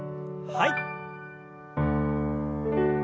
はい。